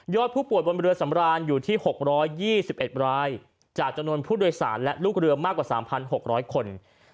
ผู้ป่วยบนเรือสำราญอยู่ที่๖๒๑รายจากจำนวนผู้โดยสารและลูกเรือมากกว่า๓๖๐๐คน